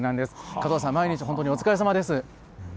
加藤さん、毎日本当にお疲れさまです。